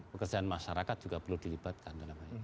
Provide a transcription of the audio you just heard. pekerjaan masyarakat juga perlu dilibatkan